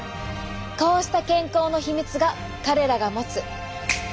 こうした健康のヒミツが彼らが持つ。